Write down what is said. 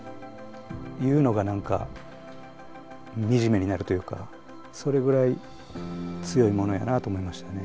言うのが何か惨めになるというかそれぐらい強いものやなと思いましたね。